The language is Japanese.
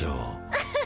アハハハ。